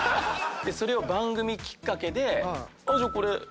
それを番組きっかけで。